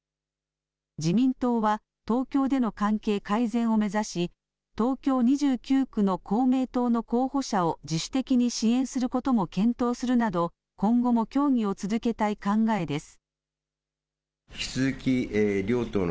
自民党は東京での関係改善を目指し東京２９区の公明党の候補者を自主的に支援することも検討するなど今後も協議を続けたい考えです。